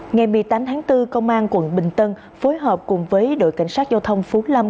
ngày một mươi tám tháng bốn công an quận bình tân phối hợp cùng với đội cảnh sát giao thông phú lâm